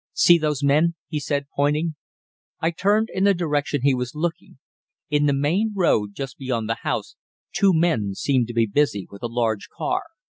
"See those men?" he said, pointing. I turned in the direction he was looking. In the main road, just beyond the house, two men seemed to be busy with a large car.